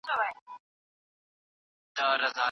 واردات د خلکو اقتصاد ته زیان ونه رسوي.